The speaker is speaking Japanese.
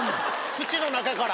土の中から。